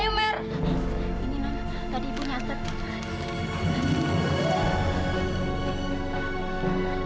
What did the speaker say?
ini nol tadi ibu nyatet